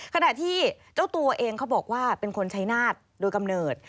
ขณะที่เจ้าตัวเองเขาบอกว่าเป็นคนชัยนาฏโดยกำเนิด